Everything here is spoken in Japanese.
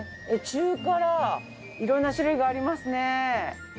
中辛色んな種類がありますね。